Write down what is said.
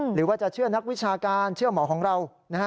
หรือว่าจะเชื่อนักวิชาการเชื่อหมอของเรา